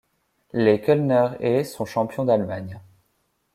Les Kölner Haie sont champions d'Allemagne.